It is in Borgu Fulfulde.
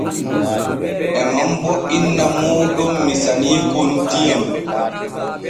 En non bo inna mooɗon misaniikon diyam.